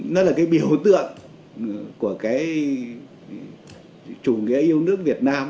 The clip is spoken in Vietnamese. nó là cái biểu tượng của cái chủ nghĩa yêu nước việt nam